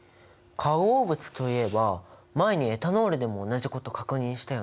化合物といえば前にエタノールでも同じこと確認したよね。